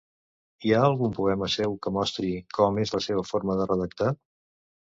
Hi ha algun poema seu que mostri com és la seva forma de redactar?